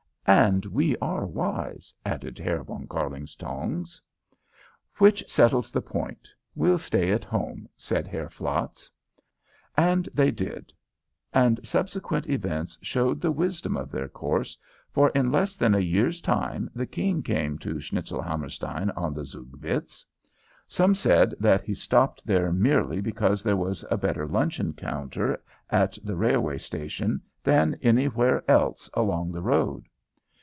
"And we are wise," added Herr von Kärlingtongs. "Which settles the point. We'll stay at home," said Herr Flatz. And they did, and subsequent events showed the wisdom of their course, for in less than a year's time the King came to Schnitzelhammerstein on the Zugvitz. Some said that he stopped there merely because there was a better luncheon counter at the railway station than anywhere else along the road.